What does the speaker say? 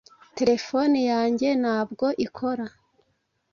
Terefone yanjye ntabwo ikora